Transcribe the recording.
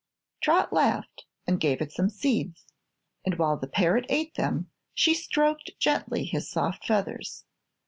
Trot laughed and gave it some seeds, and while the parrot ate them she stroked gently his soft feathers.